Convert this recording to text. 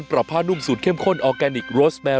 ไม่เพราะพูดถึงไก่ไง